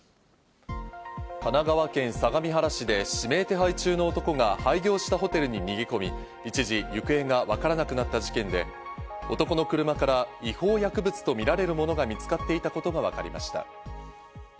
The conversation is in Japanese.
神奈川県相模原市で指名手配中の男が廃業したホテルに逃げ込み、一時行方がわからなくなった事件で、男の車から違法薬物とみられるものが見つかっていたことがわかりました。